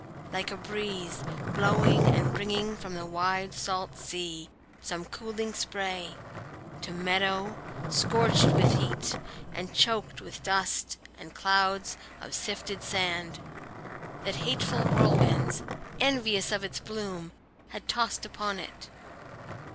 Like a breeze, Blowing and bringing from the wide salt sea Some cooling spray, to meadow scorched with heat And choked with dust and clouds of sifted sand, That hateful whirlwinds, envious of its bloom, Had tossed upon it.